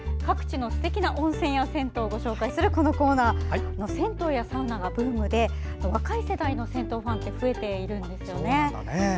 各地のすてきな温泉や銭湯をご紹介するこのコーナー銭湯やサウナがブームで若い世代の銭湯ファンが増えているんですよね。